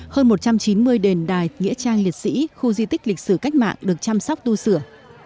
hơn một trăm chín mươi đền đài nghĩa trang liệt sĩ khu di tích lịch sử cách mạng được chăm sóc tu sửa